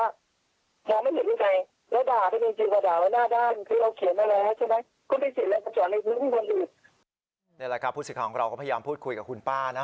นี่แหละครับผู้สิทธิ์ของเราก็พยายามพูดคุยกับคุณป้านะ